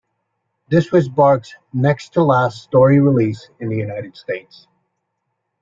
This was Barks' next-to-last story released in the United States.